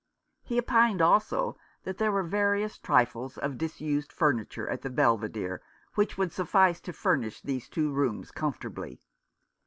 He opined also that there were various trifles of disused furniture at the Belvidere which would suffice to furnish these two rooms comfortably.